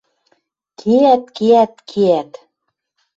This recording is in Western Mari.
Кеӓт, кеӓт, кеӓт